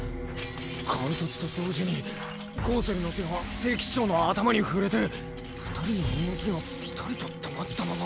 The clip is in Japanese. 「貫突」と同時にゴウセルの手が聖騎士長の頭に触れて二人の動きがピタリと止まったまま。